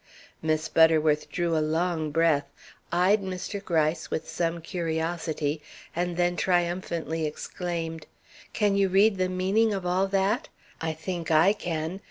Miss Butterworth drew a long breath, eyed Mr. Gryce with some curiosity, and then triumphantly exclaimed: "Can you read the meaning of all that? I think I can.